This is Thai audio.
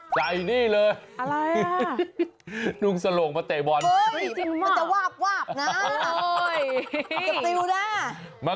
ใส่นี่เลยนุ้งสลงมาเตะบอลเห้ยมันจะวาบนะโอ้ย